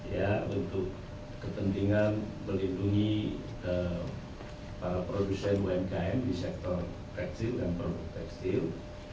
ya untuk kepentingan melindungi para produsen umkm di sektor tekstil dan produk tekstil